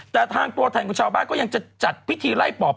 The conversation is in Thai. แต่ทางตัวแทนของชาวบ้านก็ยังจะจัดพิธีไล่ปอบ